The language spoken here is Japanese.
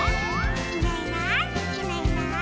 「いないいないいないいない」